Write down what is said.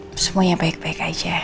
itu semuanya baik baik aja